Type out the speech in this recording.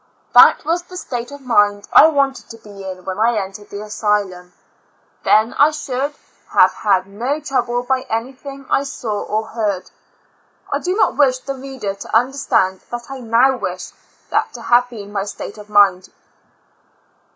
That was the state of mind I wanted to be in when I entered the asylum; then I should have had no trouble b}^ anything I saw or heard. I do not wish the reader to understand that I now wish that to have been my state of mind.